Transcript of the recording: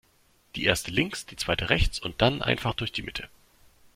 Die Erste links, die Zweite rechts und dann einfach durch die Mitte.